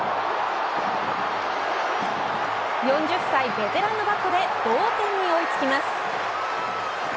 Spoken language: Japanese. ４０歳ベテランのバットで同点に追いつきます。